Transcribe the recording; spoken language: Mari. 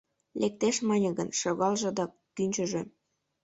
«Лектеш» мане гын, шогалже да кӱнчыжӧ.